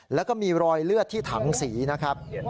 แล้วก็มีรอยเลือดที่ถังสีนะครับ